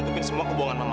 rizky komoteknya sama mama